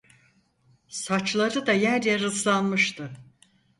Saçları da yer yer ıslanmıştı.